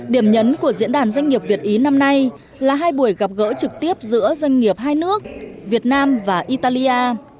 điểm nhấn của diễn đàn doanh nghiệp việt ý năm nay là hai buổi gặp gỡ trực tiếp giữa doanh nghiệp hai nước việt nam và italia